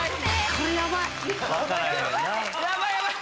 これヤバい！